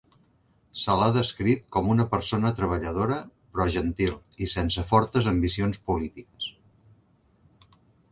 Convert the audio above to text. Se l'ha descrit com una persona treballadora, però gentil i sense fortes ambicions polítiques.